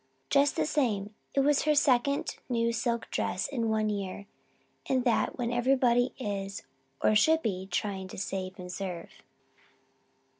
Just the same, it was her second new silk dress in one year and that when everybody is or should be trying to 'save and serve.'